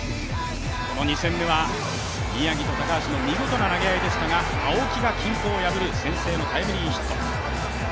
この２戦目は宮城と高橋の見事な投げ合いでしたが、青木が均衡を破る先制のタイムリーヒット。